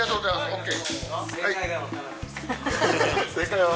ＯＫ！